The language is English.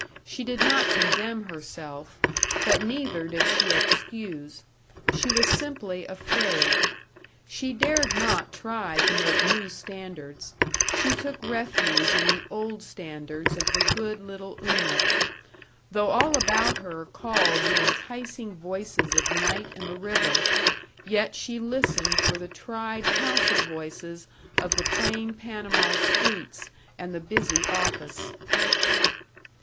She did not condemn herself but neither did she excuse. She was simply afraid. She dared not try to make new standards; she took refuge in the old standards of the good little Una. Though all about her called the enticing voices of night and the river, yet she listened for the tried counsel voices of the plain Panama streets and the busy office.